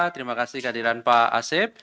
terima kasih keadilan pak asef